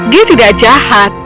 dia tidak jahat